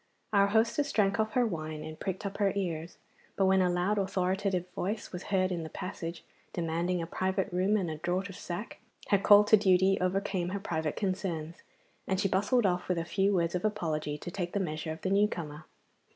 Our hostess drank off her wine and pricked up her ears, but when a loud authoritative voice was heard in the passage, demanding a private room and a draught of sack, her call to duty overcame her private concerns, and she bustled off with a few words of apology to take the measure of the new comer.